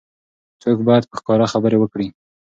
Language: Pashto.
څوګ باید په ښکاره خبرې وکړي.